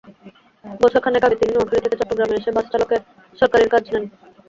বছর খানেক আগে তিনি নোয়াখালী থেকে চট্টগ্রামে এসে বাসচালকের সহকারীর কাজ নেন।